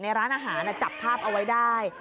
ร้านอาหารจับภาพเอาไว้ได้